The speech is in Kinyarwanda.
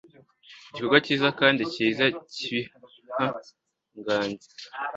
Igikorwa cyiza kandi cyiza cyibihangange